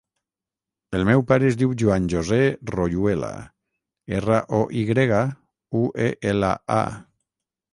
El meu pare es diu Juan josé Royuela: erra, o, i grega, u, e, ela, a.